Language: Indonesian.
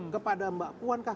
kepada mbak kuankah